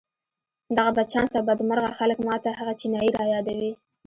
دغه بدچانسه او بدمرغه خلک ما ته هغه چينايي را يادوي.